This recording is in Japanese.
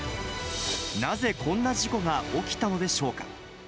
なぜこんな事故が起きたのでしょうか。